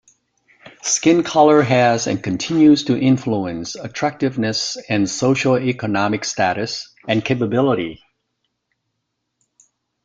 Skin color has and continues to influence attractiveness and socioeconomic status and capability.